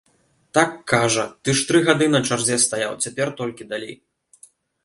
Так, кажа, ты ж тры гады на чарзе стаяў, цяпер толькі далі.